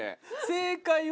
正解は。